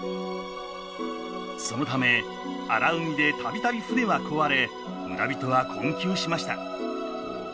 そのため荒海で度々船は壊れ村人は困窮しました。